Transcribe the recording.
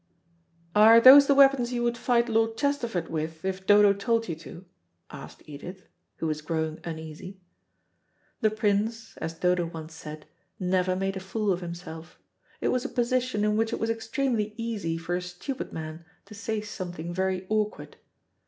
"Are those the weapons you would fight Lord Chesterford with, if Dodo told you to?" asked Edith, who was growing uneasy. The Prince, as Dodo once said, never made a fool of himself. It was a position in which it was extremely easy for a stupid man to say something very awkward.